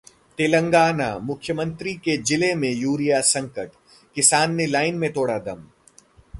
तेलंगानाः मुख्यमंत्री के जिले में यूरिया संकट, किसान ने लाइन में तोड़ा दम